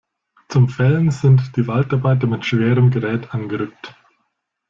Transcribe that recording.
Zum Fällen sind die Waldarbeiter mit schwerem Gerät angerückt.